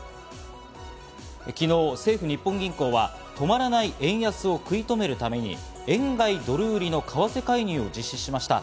昨日、政府日本銀行は止まらない円安を食い止めるために円買い・ドル売りの為替介入を実施しました。